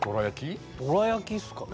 どら焼きっすかね？